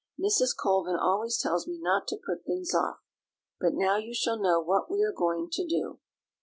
Mrs. Colvin always tells me not to put things off. But now you shall know what we are going to do.